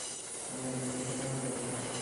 নেহাত মিথ্যে ঠাওরায় নি।